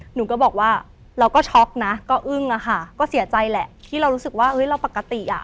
หนูก็บอกว่าเราก็ช็อกนะก็อึ้งอะค่ะก็เสียใจแหละที่เรารู้สึกว่าเฮ้ยเราปกติอ่ะ